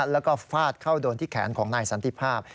แล้วก็ฟาดเข้าโดนที่แขนของนายสันติภาพ